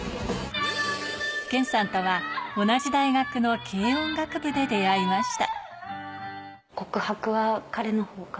謙さんとは同じ大学の軽音楽部で出会いました。